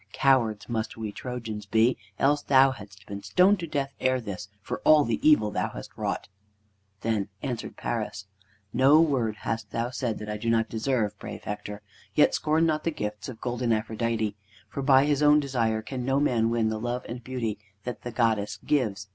Cowards must we Trojans be, else thou hadst been stoned to death ere this, for all the evil thou hast wrought." Then answered Paris: "No word hast thou said that I do not deserve, brave Hector. Yet scorn not the gifts of golden Aphrodite, for by his own desire can no man win the love and beauty that the goddess gives.